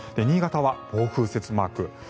新潟は暴風雪マーク。